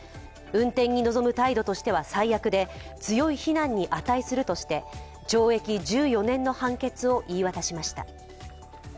運転に臨む態度としては最悪で、強い非難に値するとして懲役１４年の判決を言い渡しました。